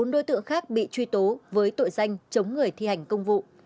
bốn đối tượng khác bị truy tố với tội danh chống người thi hành công vụ